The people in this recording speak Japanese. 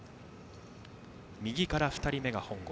右から２人目が本郷。